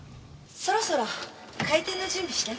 そろそろ開店の準備しなくちゃ。